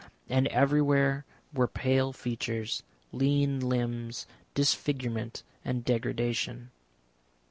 And everywhere were pale features, lean limbs, disfigurement and degradation.